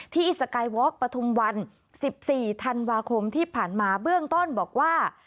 ที่สกายวอล์กปฐุมวัน๑๔ธันวาคมที่ผ่านมาเบื้องต้นบอกว่า